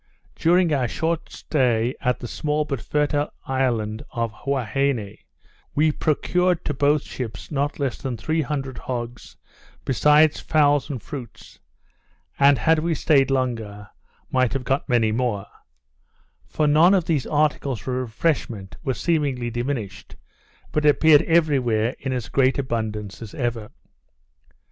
During our short stay at the small but fertile isle of Huaheine, we procured to both ships not less than three hundred hogs, besides fowls and fruits; and, had we stayed longer, might have got many more: For none of these articles of refreshment were seemingly diminished, but appeared every where in as great abundance as ever.